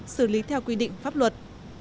xử lý theo quy định pháp luật